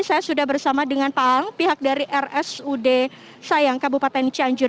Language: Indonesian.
saya sudah bersama dengan pak aang pihak dari rsud sayang kabupaten cianjur